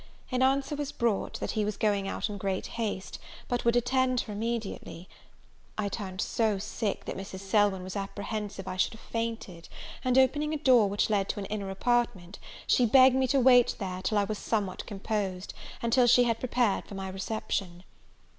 An answer was brought, that he was going out in great haste, but would attend her immediately. I turned so sick, that Mrs. Selwyn was apprehensive I should have fainted; and, opening a door which led to an inner apartment, she begged me to wait there till I was somewhat composed, and till she had prepared for my reception.